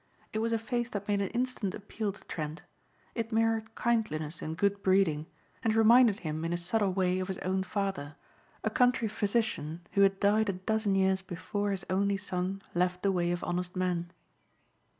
It was a face that made an instant appeal to Trent. It mirrored kindliness and good breeding, and reminded him in a subtle way of his own father, a country physician who had died a dozen years before his only son left the way of honest men.